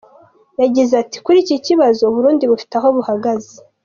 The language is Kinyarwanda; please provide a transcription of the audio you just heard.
Yagize ati “Kuri iki kibazo, u Burundi bufite aho buhagaze.